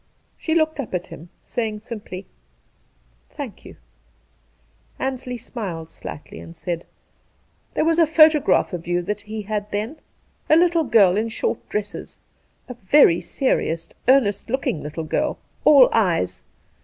She looked up at him, saying simply: ' Thank you.' Ansley smiled slightly, and said :' There was a photograph of you that he had then. A little girl in short dresses, a very serious, earnest looking little, girl — all eyes.